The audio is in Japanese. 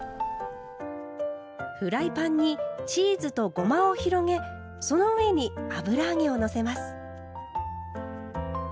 フライパンにチーズとごまを広げその上に油揚げをのせます。